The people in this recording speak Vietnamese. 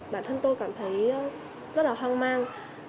bản thân tôi cảm thấy rất là hoang mang